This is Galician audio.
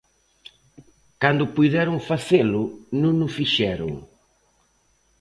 Cando puideron facelo non o fixeron.